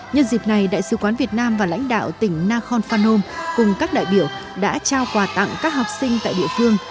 nhân dịp này đại sứ quán việt nam và lãnh đạo tỉnh nakhon phanom cùng các đại biểu đã trao quà tặng các học sinh tại địa phương